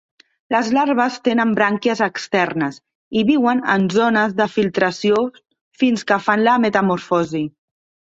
Les larves tenen brànquies externes, i viuen en zones de filtració fins que fan la metamorfosi.